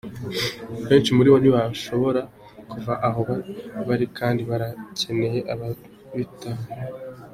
"Benshi muri bo ntibashobora kuva aho bari kandi barakeneye ababitaho.